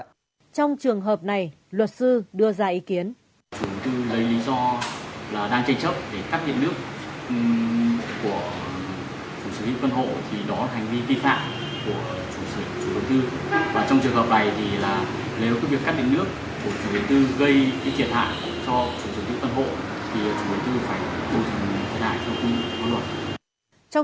trong trường hợp này luật sư đưa ra ý kiến